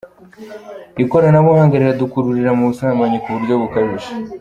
Ikoranabuhanga riradukururira mu busambanyi ku buryo bukabije.